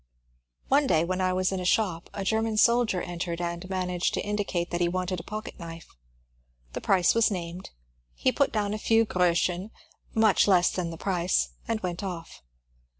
One day when I was in a shop a German soldier entered and managed to indicate that he wanted a pocket knife. The price was named ; he put down a few groachen, much less than the price, and went off.